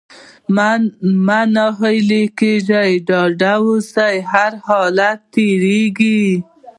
مه ناهيلی کېږه! ډاډه اوسه! هرحالت تېرېږي.